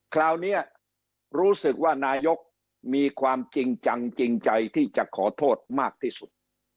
คราวนี้รู้สึกว่านายกมีความจริงจังจริงใจที่จะขอโทษมากที่สุด